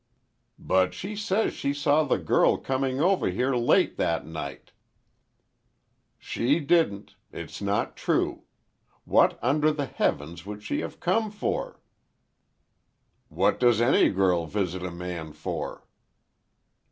"But she says she saw the girl coming over here late that night—" "She didn't! It's not true! What under the heavens would she have come for?" "What does any girl visit a man for?"